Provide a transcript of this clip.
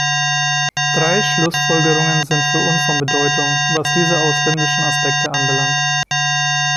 Drei Schlussfolgerungen sind für uns von Bedeutung, was diese ausländischen Aspekte anbelangt.